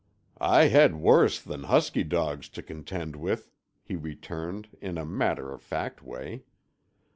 "I had worse than husky dogs to contend with," he returned in a matter of fact way.